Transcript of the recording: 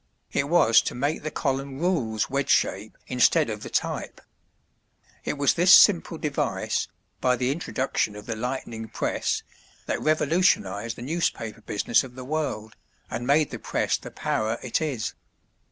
It was to make the column rules wedge shape instead of the type. It was this simple device, by the introduction of the "lightning press," that revolutionized the newspaper business of the world, and made the press the power it is.